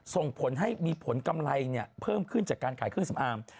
ส่งผลให้มีผลกำไรเพิ่มขึ้นจากการขายเครื่องสำอาง